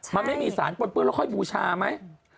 มันไม่มีสารปนเปื้อนแล้วค่อยบูชาไหม